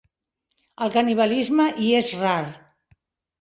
El canibalisme hi és rar.